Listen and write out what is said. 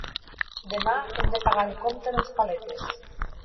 Demà hem de pagar el compte dels paletes.